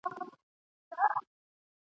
منبرونه یې نیولي جاهلانو ..